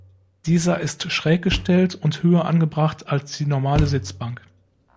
Dieser ist schräg gestellt und höher angebracht als die normale Sitzbank.